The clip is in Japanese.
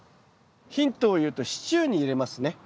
ヒントを言うとシチューに入れますね。